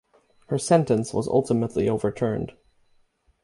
Her sentence was ultimately overturned.